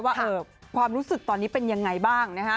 ว่าความรู้สึกตอนนี้เป็นยังไงบ้างนะฮะ